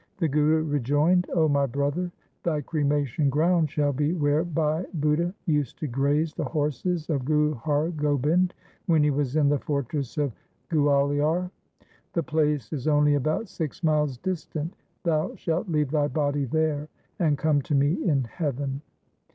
The Guru rejoined :—' 0 my brother, thy cremation ground shall be where Bhai Budha used to graze the horses of Guru Har Gobind when he was in the fortress of Gualiar. The place is only about six miles distant. Thou shalt leave thy body there, and come to me in heaven.'